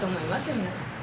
皆さん。